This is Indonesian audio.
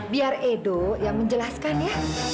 biar edo yang menjelaskan ya